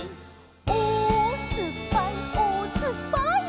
「おおすっぱいおおすっぱい」